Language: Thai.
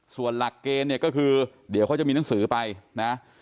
ส่วนหลักเกณฑ์เนี่ยก็คือเดี๋ยวเขาจะมีหนังสือไปนะ